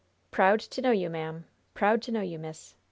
"Proud to know you, ma'am. Proud to know you, miss.